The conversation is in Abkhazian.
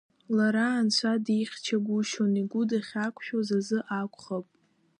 Лара Анцәа дихьчагәышьон, игәы дахьақәшәоз азы акәхап.